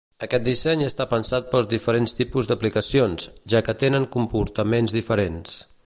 Aquest disseny està pensat pels diferents tipus d’aplicacions, ja que tenen comportaments diferents.